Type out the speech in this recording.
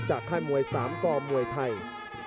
ค่ายมวย๓กมวยไทย